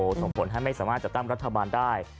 ส่งผลให้ไม่สามารถจัดตั้งรัฐบาลได้